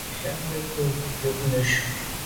Mfùag nke nko yub neshu.